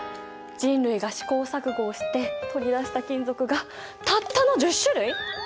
人類が試行錯誤をして取り出した金属がたったの１０種類！？